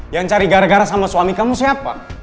yang cari gara gara sama suami kamu siapa